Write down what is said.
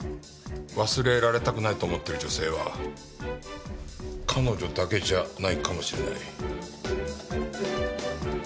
忘れられたくないと思ってる女性は彼女だけじゃないかもしれない。